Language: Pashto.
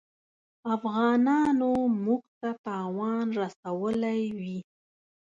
افغانانو موږ ته تاوان رسولی وي.